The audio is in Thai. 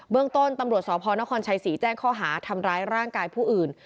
เรื่องต้นตำรวจสพนครชัยศรีแจ้งข้อหาทำร้ายร่างกายผู้อื่น